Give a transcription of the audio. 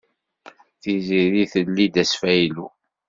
Tiziri telli-d asfaylu.